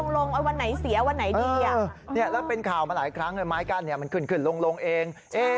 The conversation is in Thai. แล้วจะรู้ได้ยังไงคุณว่าขึ้นลง